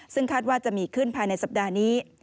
ซึ่งคาดว่าจะมีขึ้นภายในสัปดาห์นี้